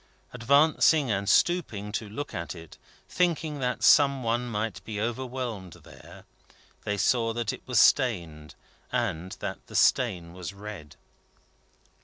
Advancing and stooping to look at it, thinking that some one might be overwhelmed there, they saw that it was stained, and that the stain was red.